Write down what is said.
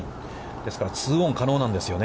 ですから、ツーオン可能なんですよね。